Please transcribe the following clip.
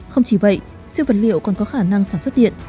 không chỉ vậy siêu vật liệu còn có khả năng sản xuất điện